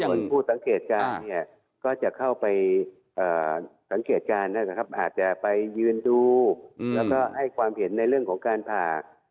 ส่วนผู้สังเกตการณ์เนี่ยก็จะเข้าไปสังเกตการณ์นะครับอาจจะไปยืนดูแล้วก็ให้ความเห็นในเรื่องของการผ่า